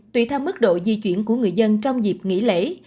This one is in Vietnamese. tùy theo mức độ di chuyển của người dân trong dịp nghỉ lễ